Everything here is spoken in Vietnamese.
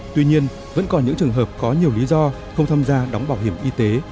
tuy nhiên vẫn còn những trường hợp có nhiều lý do không tham gia đóng bảo hiểm y tế